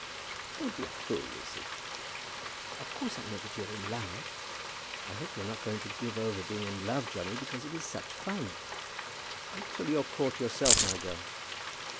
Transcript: "Don't be a fool, Lucy." "Of course I know that you are in love. I hope you are not going to give over being in love, Johnny, because it is such fun." "Wait till you're caught yourself, my girl."